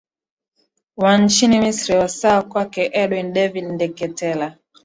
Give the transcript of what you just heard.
wa nchini misri wasaa kwake edwin david ndeketela